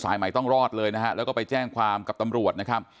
ใหม่ต้องรอดเลยนะฮะแล้วก็ไปแจ้งความกับตำรวจนะครับ